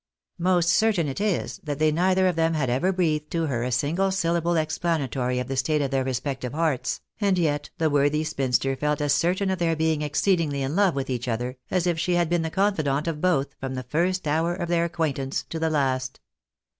Most certain it is, that they neither of them had ever breathed to her a single syllable explanatory of the state of their respective hearts, and yet the worthy spinster felt as certain of their being exceedingly in love with each other, as if she had been the confidant of both, from the first hour of their acquaintance to the last.